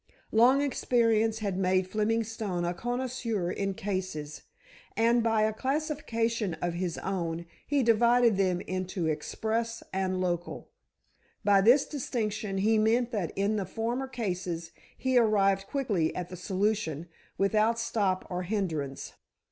Long experience had made Fleming Stone a connoisseur in "cases," and, by a classification of his own, he divided them into "express" and "local." By this distinction he meant that in the former cases, he arrived quickly at the solution, without stop or hindrance.